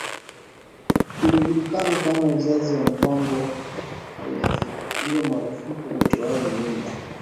uliojulikana kama uzazi wa mpango haijapiga marufuku utoaji mimba